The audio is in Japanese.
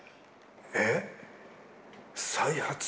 えっ。